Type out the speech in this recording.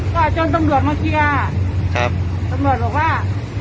ก็จนตำรวจมาเคลียร์ครับตำรวจบอกว่า